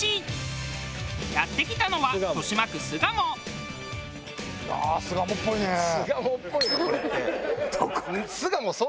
やって来たのは巣鴨っぽいの？